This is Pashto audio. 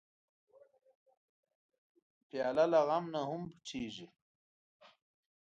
پیاله له غم نه هم پټېږي.